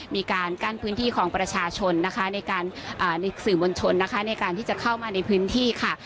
มีการกั้นพื้นที่ของประชาชนในการสื่อบริเวณชนที่จะเข้ามาทำข่าวบริเวณพื้นที่